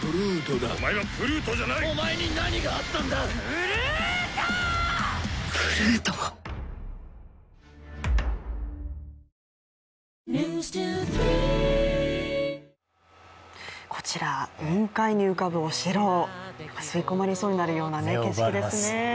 「ＧＯＬＤ」もこちら雲海に浮かぶお城、吸い込まれそうになるような景色ですね。